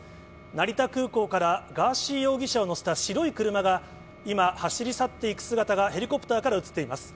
成田空港から、ガーシー容疑者を乗せた白い車が、今、走り去っていく姿がヘリコプターから写っています。